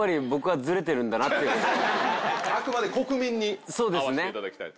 あくまで国民に合わせていただきたいと。